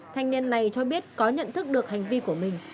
thanh niên này cho biết có nhận thức được hành vi của mình